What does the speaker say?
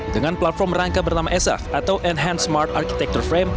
dengan platform rangka bernama sf atau enhan smart architectur frame